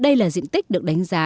đây là diện tích được đánh giá